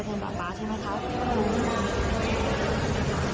ดูแลเพิ่มป๊าใช่ไหมครับ